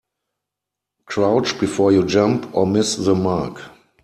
Crouch before you jump or miss the mark.